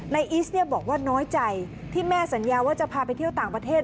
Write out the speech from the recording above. อีสบอกว่าน้อยใจที่แม่สัญญาว่าจะพาไปเที่ยวต่างประเทศ